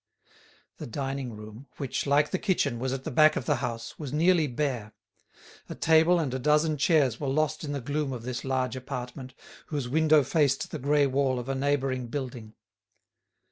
The dining room, which, like the kitchen, was at the back of the house, was nearly bare; a table and a dozen chairs were lost in the gloom of this large apartment, whose window faced the grey wall of a neighbouring building.